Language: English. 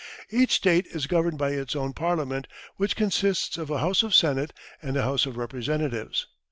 Each State is governed by its own parliament, which consists of a House of Senate and a House of Representatives.